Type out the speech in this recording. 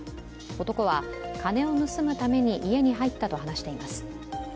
男は、金を盗むために家に入ったと話しています。